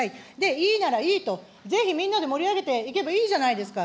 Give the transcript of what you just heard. いいならいいと、ぜひみんなで盛り上げていけばいいじゃないですか。